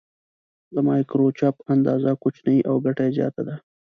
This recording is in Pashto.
د مایکروچپ اندازه کوچنۍ او ګټه یې زیاته ده.